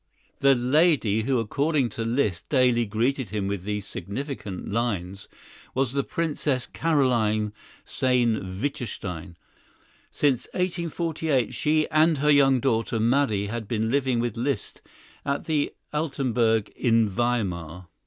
The lady who according to Liszt daily greeted him with these significant lines was the Princess Carolyne Sayn Wittgenstein. Since 1848 she and her young daughter Marie had been living with Liszt at the Altenburg in Weimar.